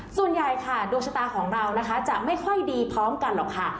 ส่วนใหญ่ค่ะดวงชะตาของเรานะคะจะไม่ค่อยดีพร้อมกันหรอกค่ะ